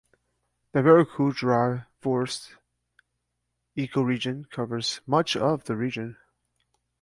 The Veracruz dry forests ecoregion covers much of the region.